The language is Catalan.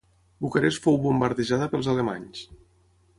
Bucarest fou bombardejada pels alemanys.